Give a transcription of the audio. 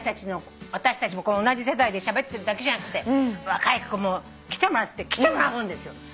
私たちもこの同じ世代でしゃべってるだけじゃなくて若い子も来てもらって来てもらうんですよ。